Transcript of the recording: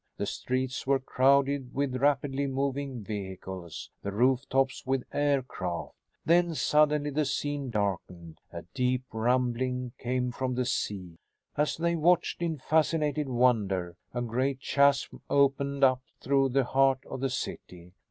The streets were crowded with rapidly moving vehicles, the roof tops with air craft. Then suddenly the scene darkened; a deep rumbling came from the sea. As they watched in fascinated wonder, a great chasm opened up through the heart of the city.